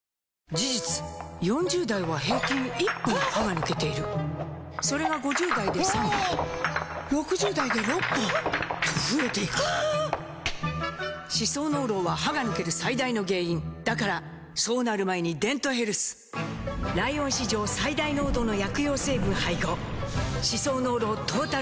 事実４０代は平均１本歯が抜けているそれが５０代で３本６０代で６本と増えていく歯槽膿漏は歯が抜ける最大の原因だからそうなる前に「デントヘルス」ライオン史上最大濃度の薬用成分配合歯槽膿漏トータルケア！